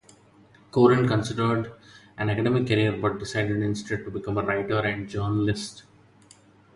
Coren considered an academic career but decided instead to become a writer and journalist.